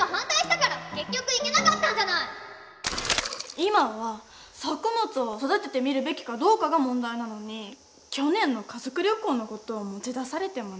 今は作物を育ててみるべきかどうかが問題なのに去年の家族旅行の事を持ち出されてもねえ。